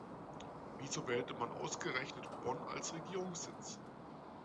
Wieso wählte man ausgerechnet Bonn als Regierungssitz?